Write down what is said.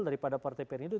daripada partai tprindo